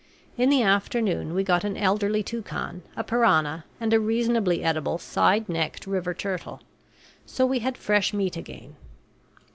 In the afternoon we got an elderly toucan, a piranha, and a reasonably edible side necked river turtle; so we had fresh meat again.